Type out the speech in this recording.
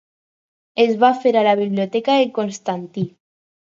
Es va fer a la biblioteca de Constantí.